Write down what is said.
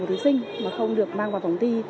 thí sinh mà không được mang vào phòng thi